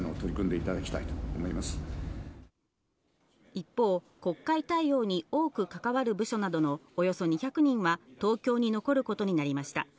一方、国会対応に多く関わる部署などの、およそ２００人は東京に残ることになりました。